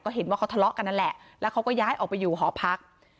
เห็นว่าเขาทะเลาะกันนั่นแหละแล้วเขาก็ย้ายออกไปอยู่หอพัก